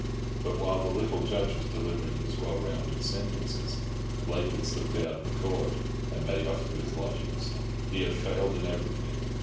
But while the little Judge was delivering his well rounded sentences, Blake had slipped out of Court and made off to his lodgings. He had failed in everything.